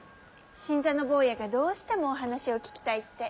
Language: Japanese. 新参の坊やがどうしてもお話を聞きたいって。